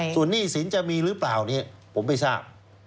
ส่วนหนี้สินจะมีหรือเปล่าเนี่ยผมไม่ทราบ